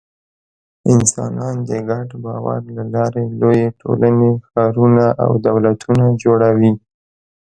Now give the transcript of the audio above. انسانان د ګډ باور له لارې لویې ټولنې، ښارونه او دولتونه جوړوي.